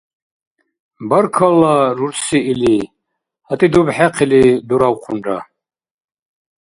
— Баркалла, рурси, — или, гьатӏи дубхӏехъили, дуравхъунра.